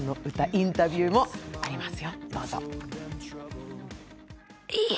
インタビューもありますよ、どうぞ。